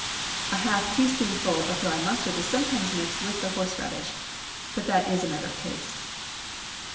A half teaspoonful of dry mustard is sometimes mixed with the horseradish, but that is a matter of taste.